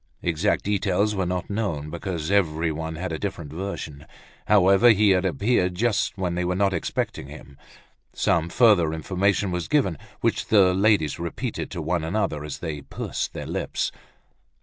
Exact details were not known, because everyone had a different version. However, he had appeared just when they were not expecting him. Some further information was given, which the ladies repeated to one another as they pursed their lips.